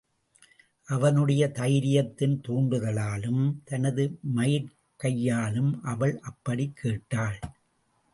அவனுடைய தைரியத்தின் துரண்டுதலாலும் தனது மயற்கையாலும் அவள் அப்படிக் கேட்டாள்.